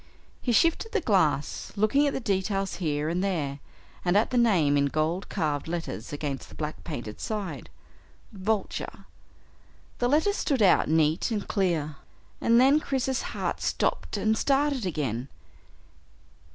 He shifted the glass, looking at details here and there, and at the name in gold carved letters against the black painted side. Vulture. The letters stood out neat and clear and then Chris's heart stopped and started again.